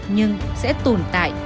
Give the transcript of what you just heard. nhưng sẽ tồn tại